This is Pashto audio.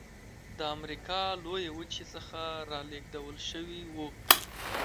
د امریکا لویې وچې څخه رالېږدول شوي وو.